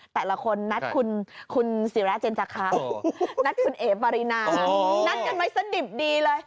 แต่ละคนนัดคุณศิราเจนจาคะนัดคุณเอ๋ปารินานัดกันไว้ซะดิบดีเลย